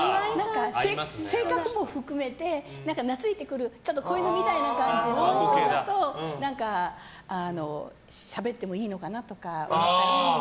性格も含めて、なついてくるちょっと子犬みたいな感じだと何かしゃべってもいいのかなとか思えたり。